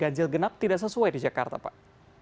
ganjil genap tidak sesuai di jakarta pak